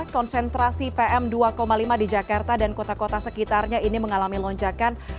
konsentrasi pm dua lima di jakarta dan kota kota sekitarnya ini mengalami lonjakan